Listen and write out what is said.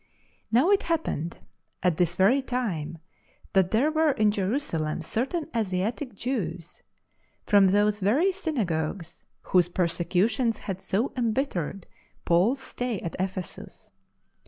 Now it happened at this very time that tliere were in Jerusalem certain Asiatic Jews, from those very synagogues whose persecutions had so embittered Paul's stay at Ephesus.